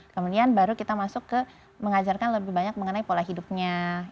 kemudian baru kita masuk ke mengajarkan lebih banyak mengenai pola hidupnya